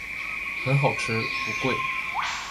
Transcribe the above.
很好吃不贵